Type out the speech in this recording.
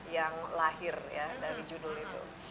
yang lahir ya dari judul itu